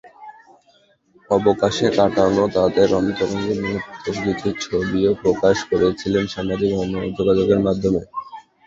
অবকাশে কাটানো তাঁদের অন্তরঙ্গ মুহূর্তের কিছু ছবিও প্রকাশ করেছিলেন সামাজিক যোগাযোগের মাধ্যমে।